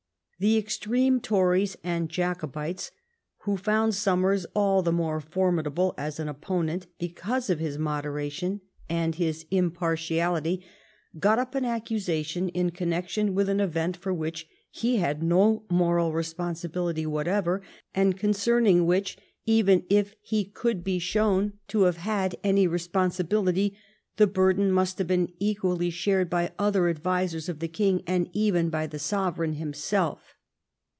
The extreme Tories and Jacobites, who found Somers all the more formidable as an opponent be cause of his moderation and his impartiality, got up an accusation in connection with an event for which he had no moral responsibility whatever, and concern ing which, even if he could be shown to have had any responsibility, the burden must have been equally shared by other advisers of the King and even by the sovereign himself.